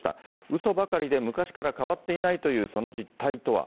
うそばかりで昔から変わっていないというその実態とは。